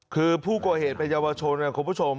คือผู้โกหกว่าเหตุเป็นเยาวชนนะครับคุณผู้ชม